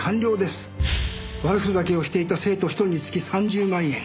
悪ふざけをしていた生徒一人につき３０万円。